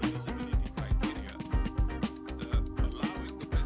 yang mengubah kriteria kewalahan